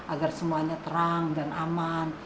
agar semuanya terang dan aman